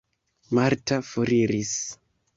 Marta foriris.